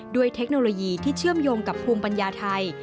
เทคโนโลยีที่เชื่อมโยงกับภูมิปัญญาไทย